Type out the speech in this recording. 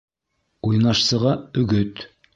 Уйнашсыға өгөт